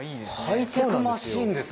ハイテクマシンですね。